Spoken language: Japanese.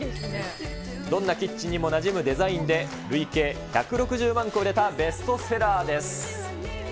どんなキッチンにもなじむデザインで、累計１６０万個売れたベストセラーです。